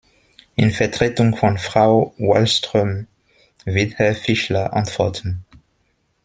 In Vertretung von Frau Wallström wird Herr Fischler antworten.